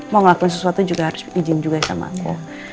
mau ngelakuin sesuatu juga harus izin juga sama aku